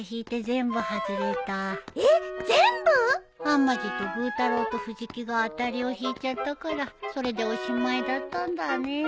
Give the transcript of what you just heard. はまじとブー太郎と藤木が当たりを引いちゃったからそれでおしまいだったんだね。